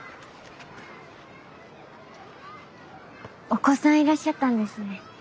お子さんいらっしゃったんですね。